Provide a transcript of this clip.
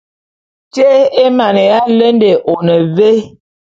Tyé émaneya ya lende, one vé ?